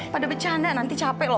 pada bercanda nanti capek loh